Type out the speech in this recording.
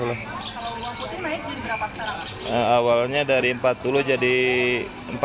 awalnya dari rp empat puluh jadi rp empat puluh delapan